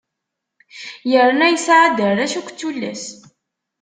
Yerna yesɛa-d arrac akked tullas.